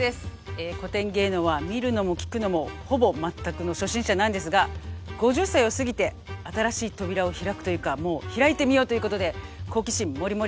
古典芸能は見るのも聴くのもほぼ全くの初心者なんですが５０歳を過ぎて新しい扉を開くというかもう開いてみようということで好奇心モリモリでございます。